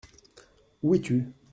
Où es-tu ?